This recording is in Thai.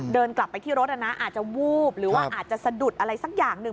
เดินกลับไปที่รถนะอาจจะวูบหรือว่าอาจจะสะดุดอะไรสักอย่างหนึ่ง